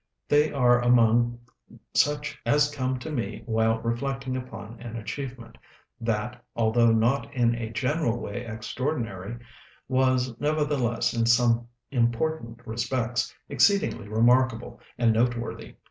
They are among such as come to me while reflecting upon an achievement, that, although not in a general way extraordinary, was nevertheless, in some important respects, exceedingly remarkable and noteworthy.